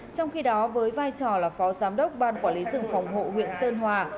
trong khi đó với vai trò là phó giám đốc ban quản lý rừng phòng hộ huyện sơn hòa